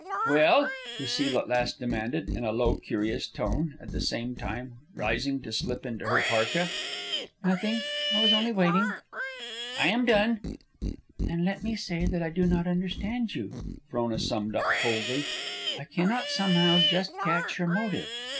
"Well?" Lucile at last demanded, in a low, curious tone, at the same time rising to slip into her parka. "Nothing. I was only waiting." "I am done." "Then let me say that I do not understand you," Frona summed up, coldly. "I cannot somehow just catch your motive.